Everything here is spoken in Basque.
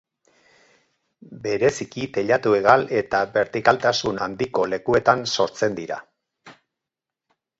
Bereziki teilatu-hegal eta bertikaltasun handiko lekuetan sortzen dira.